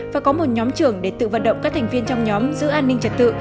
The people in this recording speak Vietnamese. và có một nhóm trưởng để tự vận động các thành viên trong nhóm giữ an ninh trật tự